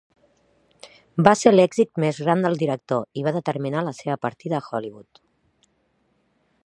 Va ser l'èxit més gran del director i va determinar la seva partida a Hollywood.